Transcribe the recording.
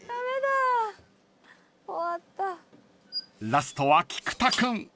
［ラストは菊田君］